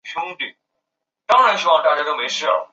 安徽南陵人。